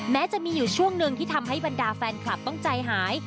แม้จะมีอยู่ช่วงหนึ่งที่ทำให้บรรดาแฟนคลับต้องใจหาย